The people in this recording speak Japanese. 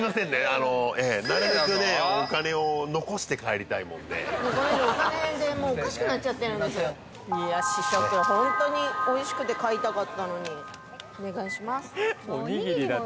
あのええなるべくねお金を残して帰りたいもんでこの人お金でもうおかしくなっちゃってるんですよいや試食ホントにおいしくて買いたかったのにお願いします